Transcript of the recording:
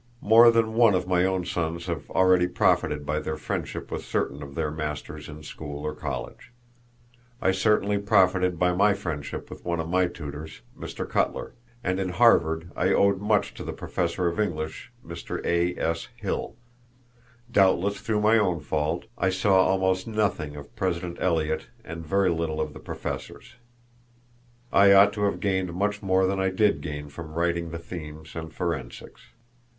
More than one of my own sons have already profited by their friendship with certain of their masters in school or college. I certainly profited by my friendship with one of my tutors, Mr. Cutler; and in Harvard I owed much to the professor of English, Mr. A. S. Hill. Doubtless through my own fault, I saw almost nothing of President Eliot and very little of the professors. I ought to have gained much more than I did gain from writing the themes and forensics.